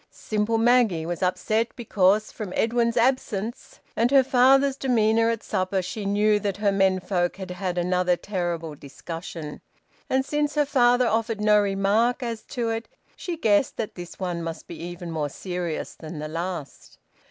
Simple Maggie was upset because, from Edwin's absence and her father's demeanour at supper, she knew that her menfolk had had another terrible discussion. And since her father offered no remark as to it, she guessed that this one must be even more serious that the last.